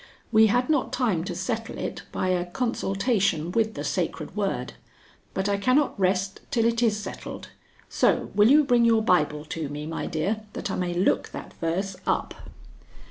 We had not time to settle it by a consultation with the sacred word, but I cannot rest till it is settled, so will you bring your Bible to me, my dear, that I may look that verse up?"